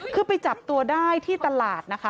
คือไปจับตัวได้ที่ตลาดนะคะ